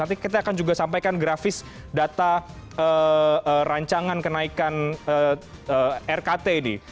nanti kita akan juga sampaikan grafis data rancangan kenaikan rkt ini